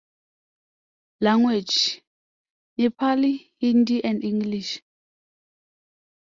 Language: Nepali, Hindi and English.